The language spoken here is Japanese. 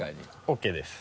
ＯＫです。